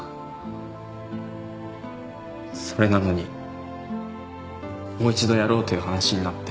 それなのにもう一度やろうという話になって。